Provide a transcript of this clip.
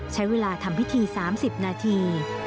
ใช้เวลาทำพิธี๓๐นาที